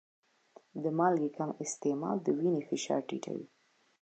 د مالګې کم استعمال د وینې فشار ټیټوي.